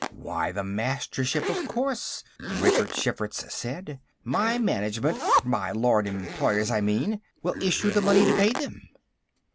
"Why, the Mastership, of course," Ridgerd Schferts said. "My Management my Lord Employer's, I mean will issue the money to pay them."